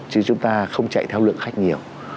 chứ chúng ta không chạy theo lượng khách nhiều